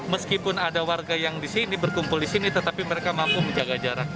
meskipun ada warga yang di sini berkumpul di sini tetapi mereka mampu menjaga jarak